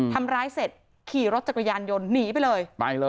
ทำร้ายเสร็จขี่รถจักรยานยนต์หนีไปเลยไปเลย